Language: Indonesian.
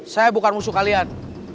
saya bukan musuh kalian